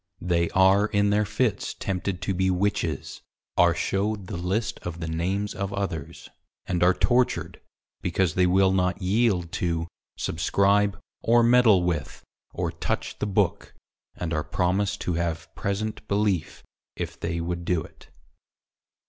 They are in their Fits tempted to be Witches, are shewed the List of the Names of others, and are tortured, because they will not yeild to Subscribe, or meddle with, or touch the BOOK, and are promised to have present Belief if they would do it.